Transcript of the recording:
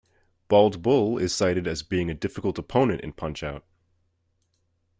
Bald Bull is cited as being a difficult opponent in "Punch-Out!!".